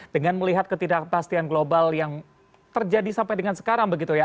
dengan melihat ketidakpastian global yang terjadi sampai dengan sekarang begitu ya